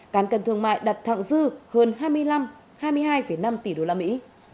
cán cần thương mại đạt thẳng dư hơn hai mươi năm hai mươi hai năm tỷ đô la mỹ